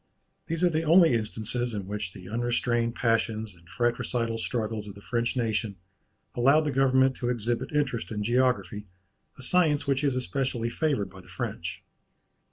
These are the only instances in which the unrestrained passions and fratricidal struggles of the French nation allowed the government to exhibit interest in geography, a science which is especially favoured by the French.